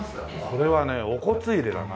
これはねお骨入れだな。